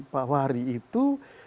pak wahri itu